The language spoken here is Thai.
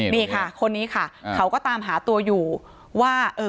นี่ค่ะคนนี้ค่ะเขาก็ตามหาตัวอยู่ว่าเออ